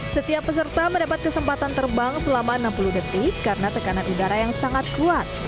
setiap peserta mendapat kesempatan terbang selama enam puluh detik karena tekanan udara yang sangat kuat